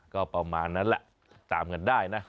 ก็ประมาณนั้นแหละตามกันได้นะ